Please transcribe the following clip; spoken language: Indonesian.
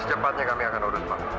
secepatnya kami akan audit pak